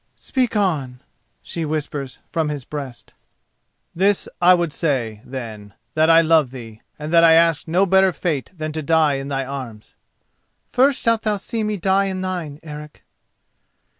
"Speak on," she whispers from his breast. "This I would say, then: that I love thee, and that I ask no better fate than to die in thy arms." "First shalt thou see me die in thine, Eric."